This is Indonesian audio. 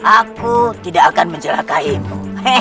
aku tidak akan mencelakainya